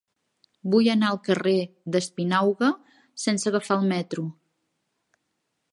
Vull anar al carrer d'Espinauga sense agafar el metro.